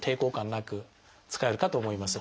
なく使えるかと思います。